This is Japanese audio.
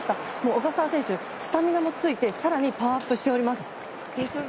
小笠原選手、スタミナもついて更にパワーアップしております。